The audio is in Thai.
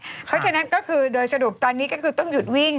เพราะฉะนั้นก็คือโดยสรุปตอนนี้ก็คือต้องหยุดวิ่ง